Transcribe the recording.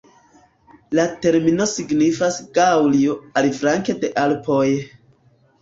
La termino signifas "Gaŭlio aliflanke de Alpoj".